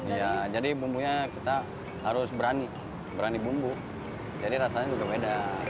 iya jadi bumbunya kita harus berani berani bumbu jadi rasanya juga beda